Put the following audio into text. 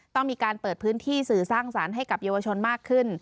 ต้องมีการเปิดพื้นที่สื่อสร้างสรรค์ให้กับเยาวชนมากขึ้น